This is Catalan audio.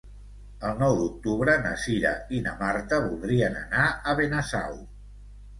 El nou d'octubre na Cira i na Marta voldrien anar a Benasau.